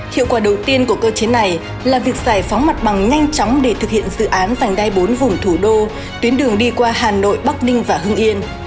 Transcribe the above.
hiệu quả đầu tiên của cơ chế này là việc giải phóng mặt bằng nhanh chóng để thực hiện dự án vành đai bốn vùng thủ đô tuyến đường đi qua hà nội bắc ninh và hưng yên